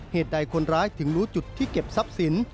เหตุใดคนร้ายถึงรู้จุดที่เก็บทรัพย์สิน